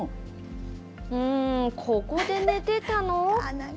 うーん、ここで寝てたの？